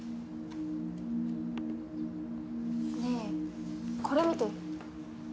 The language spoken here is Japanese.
ねぇこれ見て。